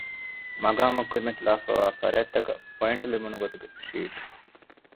މަޤާމަށް ކުރިމަތިލާފައިވާ ފަރާތްތަކަށް ޕޮއިންޓް ލިބުނުގޮތުގެ ޝީޓް